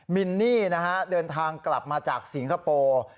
มินนี่นะฮะเดินทางกลับมาจากสิงคโปร์